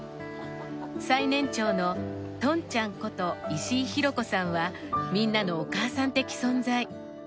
最年長のトンちゃんこと石井裕子さんはみんなのお母さん的存在。